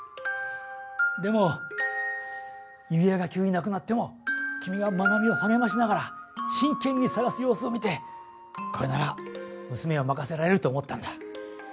でも指輪が急になくなっても君がまなみをはげましながら真けんに探す様子を見てこれならむすめをまかせられると思ったんだ。